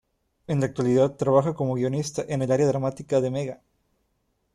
En la actualidad trabaja como guionista en el área dramática de Mega.